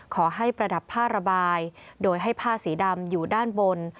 ประดับผ้าระบายโดยให้ผ้าสีดำอยู่ด้านบน